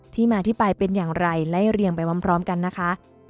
ที่มาที่ไปเป็นอย่างไรไล่เรียงไปพร้อมกันนะคะ